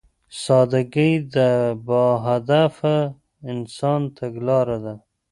سادهګي د باهدفه انسان تګلاره ده.